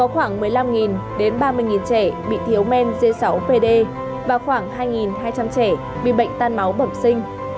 khoảng một mươi năm đến ba mươi trẻ bị thiếu men dưới sáu pd và khoảng hai hai trăm linh trẻ bị bệnh tan máu bẩm sinh